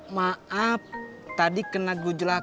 maaf tadi kena gujrak